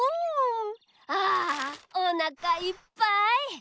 あおなかいっぱい！